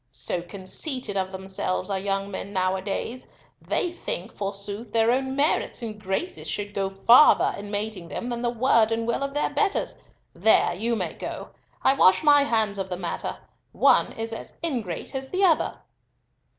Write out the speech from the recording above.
So conceited of themselves are young men now a days, they think, forsooth, their own merits and graces should go farther in mating them than the word and will of their betters. There, you may go! I wash my hands of the matter. One is as ingrate as the other."